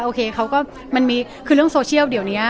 เขาก็มันมีคือเรื่องโซเชียลเดี๋ยวนี้